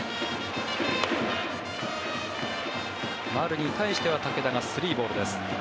丸に対しては武田が３ボールです。